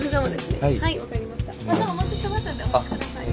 またお持ちしますんでお待ち下さい。